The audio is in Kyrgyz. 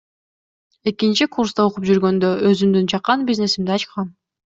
Экинчи курсат окуп жүргөндө өзүмдүн чакан бизнесимди ачкам.